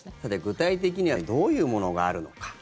具体的にはどういうものがあるのか。